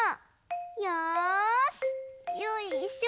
よし！